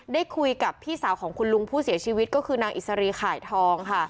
ได้คุยกับพี่สาวของคุณลุงผู้เสียชีวิตก็คือนางอิสรีข่ายทองค่ะ